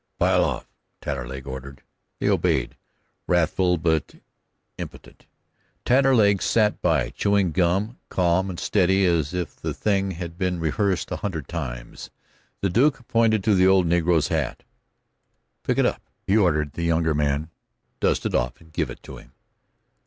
"Pile off," Taterleg ordered. They obeyed, wrathful but impotent. Taterleg sat by, chewing gum, calm and steady as if the thing had been rehearsed a hundred times. The Duke pointed to the old negro's hat. "Pick it up," he ordered the younger man; "dust it off and give it to him."